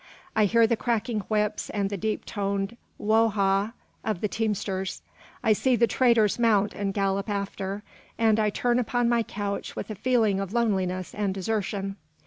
I hear the cracking whips and the deep toned "wo ha" of the teamsters; I see the traders mount and gallop after; and I turn upon my couch with a feeling of loneliness and desertion.